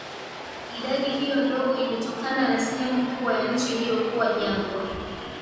Idadi hiyo ndogo imetokana na sehemu kubwa ya nchi hiyo kuwa jangwa